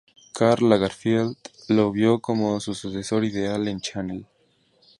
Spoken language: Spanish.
Karl Lagerfeld lo vio como su sucesor ideal en Chanel.